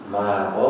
mà có hấp lưu